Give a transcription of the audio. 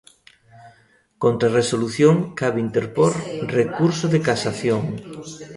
Contra a resolución cabe interpor recurso de casación.